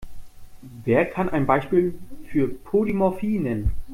Wer kann ein Beispiel für Polymorphie nennen?